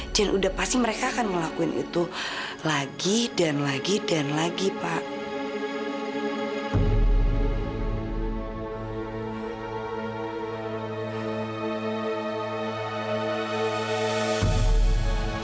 dan udah pasti mereka akan ngelakuin itu lagi dan lagi dan lagi pak